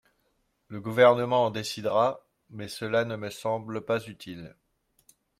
Le Gouvernement en décidera, mais cela ne me semble pas utile.